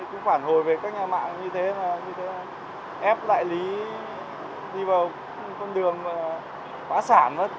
cũng phản hồi về các nhà mạng như thế là ép đại lý đi vào con đường khóa sản